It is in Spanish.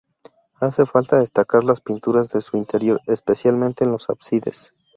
Hace falta destacar las pinturas de su interior, especialmente en los ábsides.